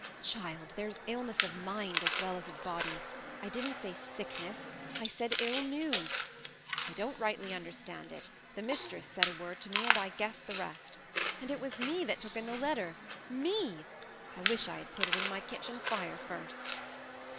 "Child! there's illness of mind as well as of body. I didn't say sickness; I said ill news. I don't rightly understand it; the mistress said a word to me, and I guessed the rest. And it was me that took in the letter! Me! I wish I had put it in my kitchen fire first!"